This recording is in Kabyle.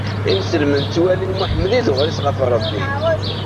Imselmen ttwalin Muḥemmed i d uɣris ɣef Rebbi.